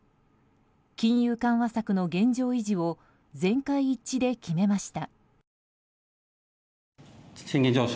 金融緩和策の現状維持を全会一致で決めました。